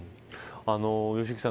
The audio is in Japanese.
良幸さん